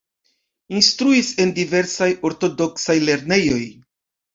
Instruis en diversaj ortodoksaj lernejoj.